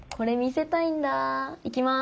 いきます。